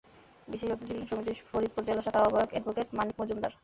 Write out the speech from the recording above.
বিশেষ অতিথি ছিলেন সমিতির ফরিদপুর জেলা শাখার আহ্বায়ক অ্যাডভোকেট মানিক মজুমদার।